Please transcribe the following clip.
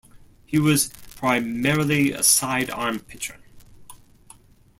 He was primarily a side-arm pitcher.